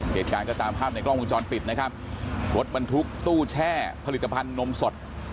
เหตุการณ์ก็ตามภาพในกล้องวงจรปิดนะครับรถบรรทุกตู้แช่ผลิตภัณฑ์นมสด